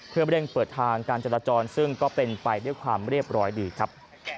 เพื่อเร่งเปิดทางการจราจรซึ่งก็เป็นไปด้วยความเรียบร้อยดีครับ